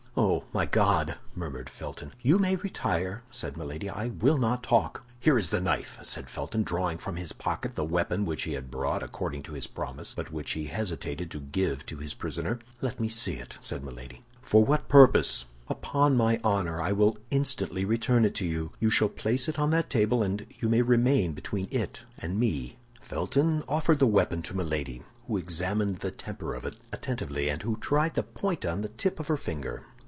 "Oh, my God!" murmured Felton. "You may retire," said Milady. "I will not talk." "Here is the knife," said Felton, drawing from his pocket the weapon which he had brought, according to his promise, but which he hesitated to give to his prisoner. "Let me see it," said Milady. "For what purpose?" "Upon my honor, I will instantly return it to you. You shall place it on that table, and you may remain between it and me." Felton offered the weapon to Milady, who examined the temper of it attentively, and who tried the point on the tip of her finger.